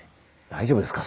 大丈夫ですか？